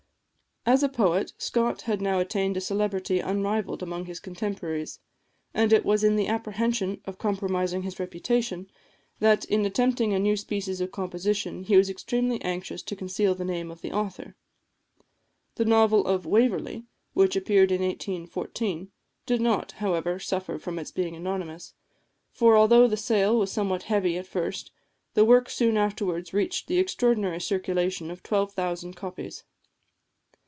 As a poet, Scott had now attained a celebrity unrivalled among his contemporaries, and it was in the apprehension of compromising his reputation, that, in attempting a new species of composition, he was extremely anxious to conceal the name of the author. The novel of "Waverley," which appeared in 1814, did not, however, suffer from its being anonymous; for, although the sale was somewhat heavy at first, the work soon afterwards reached the extraordinary circulation of twelve thousand copies.